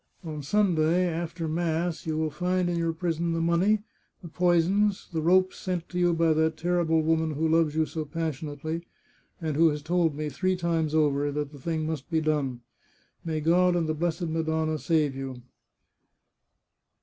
On Sunday, after mass, you will find in your prison the money, the poisons, the ropes sent you by that terrible woman who loves you so passionately, and who has told me, three times over, that this thing must be done. May God and the blessed Ma donna preserve you